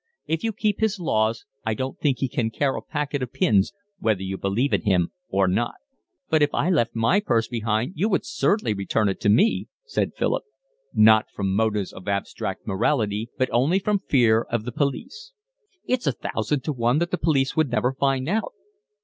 If you keep His laws I don't think He can care a packet of pins whether you believe in Him or not." "But if I left my purse behind you would certainly return it to me," said Philip. "Not from motives of abstract morality, but only from fear of the police." "It's a thousand to one that the police would never find out."